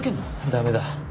ダメだ。